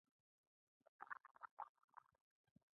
د ده شریعت په زور ورباندې تطبیق کړي.